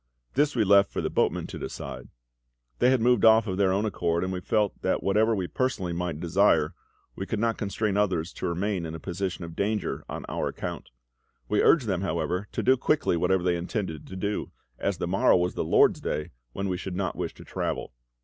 This we left for the boatmen to decide; they had moved off of their own accord, and we felt that whatever we personally might desire we could not constrain others to remain in a position of danger on our account. We urged them, however, to do quickly whatever they intended to do, as the morrow was the LORD'S DAY, when we should not wish to travel.